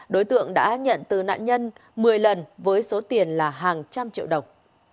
đối tượng đã nhận từ nạn nhân một mươi lần với số tiền là hàng trăm triệu đồng